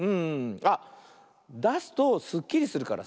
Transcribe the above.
あっだすとすっきりするからさ